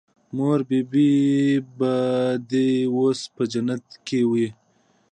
مور بي بي به دې اوس په جنت کښې وي.